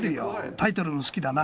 タイトルも好きだな。